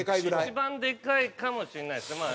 一番でかいかもしれないですねまあ。